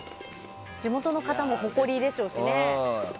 地元の方も誇りでしょうしね。